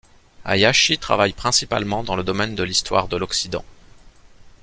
Hayashi travaille principalement dans le domaine de l'histoire de l'Occident.